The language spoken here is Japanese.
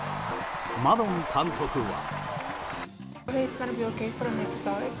マドン監督は。